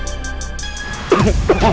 nanti kita ke sana